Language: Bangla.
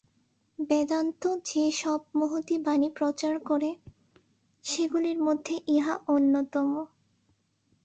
বেদান্ত যে-সব মহতী বাণী প্রচার করে, সেগুলির মধ্যে ইহা অন্যতম।